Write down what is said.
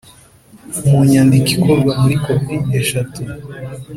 mu nyandiko ikorwa muri kopi eshatu